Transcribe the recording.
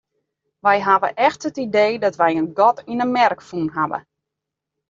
Wy hawwe echt it idee dat wy in gat yn 'e merk fûn hawwe.